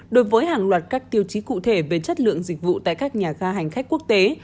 đối với hàng loạt các tiêu chí cụ thể về chất lượng dịch vụ tại các nhà ga hành khách quốc tế